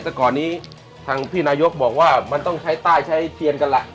แต่ก่อนนี้ทางพี่นายกบอกว่ามันต้องใช้ใต้ใช้เทียนกันล่ะ